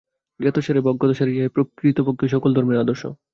জ্ঞাতসারে বা অজ্ঞাতসারে ইহাই প্রকৃতপক্ষে সকল ধর্মের আদর্শ।